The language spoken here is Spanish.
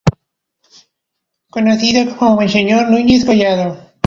Conocido como Monseñor Núñez Collado.